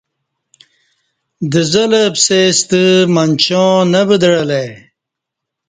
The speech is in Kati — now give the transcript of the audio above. دزہ لہ پسئے ستہ منچاں نہ ودعہ لہ ای